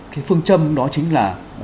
cái phương châm đó chính là